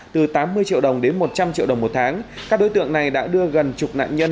từ tám mươi triệu đồng đến một trăm linh triệu đồng một tháng các đối tượng này đã đưa gần chục nạn nhân